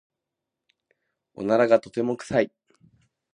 おならがとても臭い。